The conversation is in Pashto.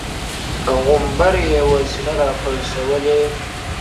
په غومبر یې وه سینه را پړسولې -